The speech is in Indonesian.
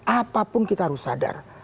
apapun kita harus sadar